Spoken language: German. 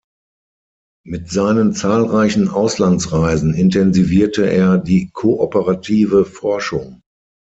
Mit seinen zahlreichen Auslandsreisen intensivierte er die kooperative Forschung.